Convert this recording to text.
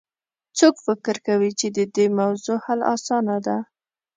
څوک فکر کوي چې د دې موضوع حل اسانه ده